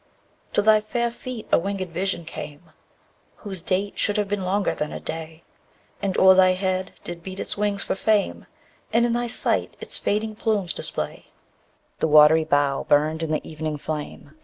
3. To thy fair feet a winged Vision came, Whose date should have been longer than a day, And o'er thy head did beat its wings for fame, And in thy sight its fading plumes display; _20 The watery bow burned in the evening flame.